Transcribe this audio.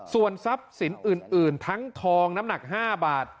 ส่วนทรัพย์สินอื่นทั้งทองน้ำหนัก๕บาท